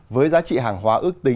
với giá trị hàng hóa ưu tiên